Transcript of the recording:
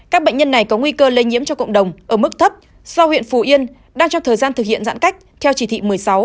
các bệnh nhân này có nguy cơ lây nhiễm cho cộng đồng ở mức thấp do huyện phù yên đang trong thời gian thực hiện giãn cách theo chỉ thị một mươi sáu